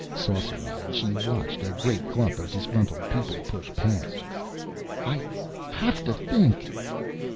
Saucer eyed she watched a great clump of disgruntled people push past. "I have to think!"